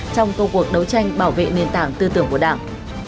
trong công cuộc đấu tranh bảo vệ nền tảng tư tưởng của đảng